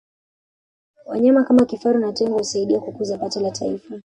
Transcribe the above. wanyama kama kifaru na tembo husaidia kukuza pato la taifa